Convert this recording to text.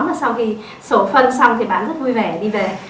mà sau khi sổ phân xong thì bạn rất vui vẻ đi về